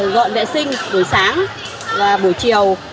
dọn vệ sinh buổi sáng và buổi chiều